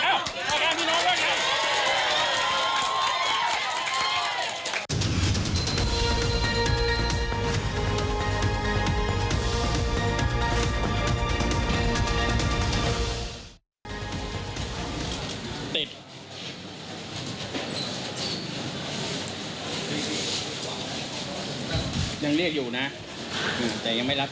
เอ้าขอแค่พี่น้องด้วยค่ะ